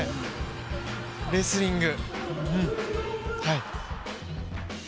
レスリング。